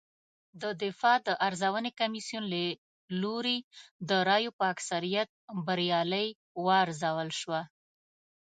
د دفاع د ارزونې کمېسیون له لوري د رایو په اکثریت بریالۍ وارزول شوه